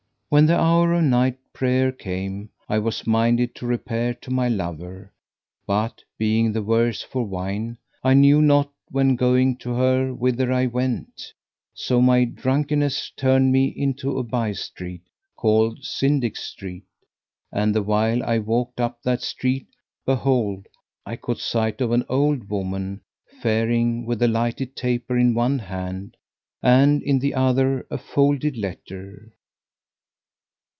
When the hour of night prayer came, I was minded to repair to my lover; but, being the worse for wine, I knew not when going to her whither I went, so my drunkenness turned me into a by street called Syndic Street;[FN#523] and the while I walked up that street behold, I caught sight of an old woman faring with a lighted taper in one hand, and in the other a folded letter.